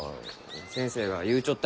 先生が言うちょっ